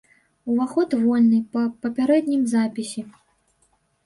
Уваход вольны па папярэднім запісе.